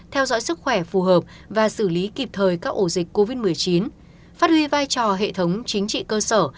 theo dõi sức khỏe phù hợp và xử lý kịp thời các ổ dịch covid một mươi chín phát huy vai trò hệ thống chính trị cơ sở